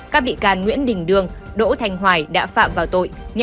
các bị can nguyễn đình đương đỗ thành hoài đã phạm vào tội